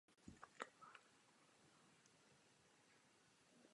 Mnohé druhy jsou vyhledávány pro kvalitní dřevo.